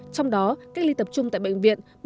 trong đó cách ly tập trung tại bệnh viện